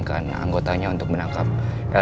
kalau dia there